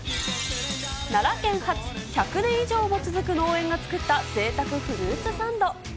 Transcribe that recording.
奈良県発、１００年以上も続く農園が作ったぜいたくフルーツサンド。